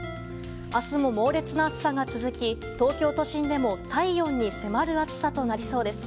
明日も猛烈な暑さが続き東京都心でも体温に迫る暑さとなりそうです。